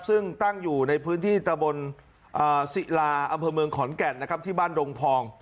ซึ่งตั้งอยู่ในพื้นที่ตะบนศิลาอำเภอเมืองขอนแก่นนะครับที่บ้านดงพอง